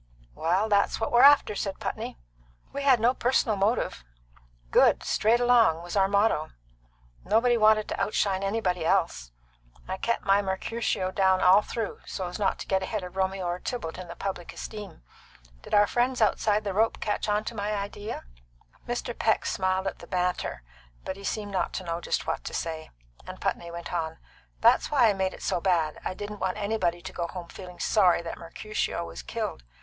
"Well, that's what we're after," said Putney. "We had no personal motive; good, right straight along, was our motto. Nobody wanted to outshine anybody else. I kept my Mercutio down all through, so's not to get ahead of Romeo or Tybalt in the public esteem. Did our friends outside the rope catch on to my idea?" Mr. Peck smiled at the banter, but he seemed not to know just what to say, and Putney went on: "That's why I made it so bad. I didn't want anybody to go home feeling sorry that Mercutio was killed.